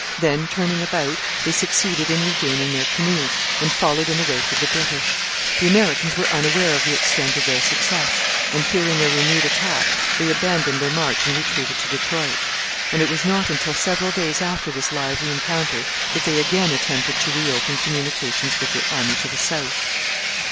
Then, turning about, they succeeded in regaining their canoes, and followed in the wake of the British. The Americans were unaware of the extent of their success, and fearing a renewed attack, they abandoned their march and retreated to Detroit. And it was not until several days after this lively encounter that they again attempted to reopen communications with their army to the south.